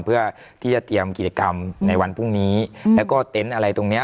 เพื่อที่จะเตรียมกิจกรรมในวันพรุ่งนี้แล้วก็เต็นต์อะไรตรงเนี้ย